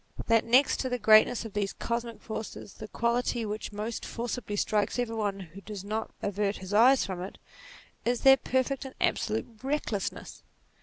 That next to the greatness of these cosmic forces, the quality which most forcibly strikes every one who does not avert his eyes from it, is their perfect and absolute recklessness.